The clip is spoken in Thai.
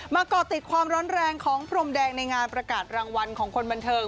ก่อติดความร้อนแรงของพรมแดงในงานประกาศรางวัลของคนบันเทิง